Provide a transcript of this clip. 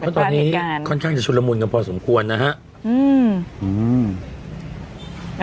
เพราะตอนนี้ค่อนข้างจะชุดละมุนกันพอสมควรนะฮะ